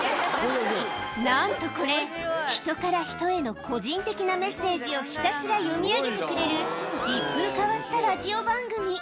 なんとこれ、人から人への個人的なメッセージをひたすら読み上げてくれる、一風変わったラジオ番組。